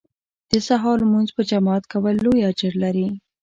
د سهار لمونځ په جماعت کول لوی اجر لري